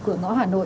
cửa ngõ hà nội